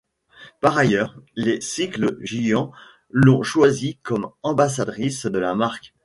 Par ailleurs, les cycles Giant l'ont choisie comme ambassadrice de la marque.